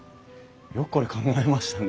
よくこれ考えましたね。